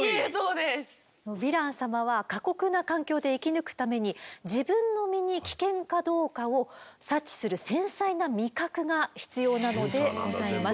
ヴィラン様は過酷な環境で生き抜くために自分の身に危険かどうかを察知する繊細な味覚が必要なのでございます。